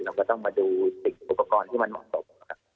เราก็ต้องมาดูสิ่งอุปกรณ์ที่มันเหมาะตก